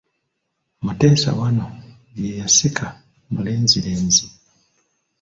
Mutesa I, ye yasika mulenzirenzi.